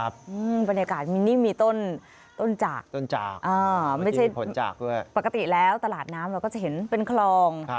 บรรยากาศนี่มีต้นจากปกติแล้วตลาดน้ำเราก็จะเห็นเป็นคลอง